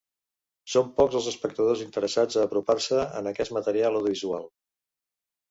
Són pocs els espectadors interessats a apropar-se en aquest material audiovisual.